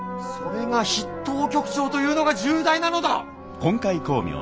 それが筆頭局長というのが重大なのだ！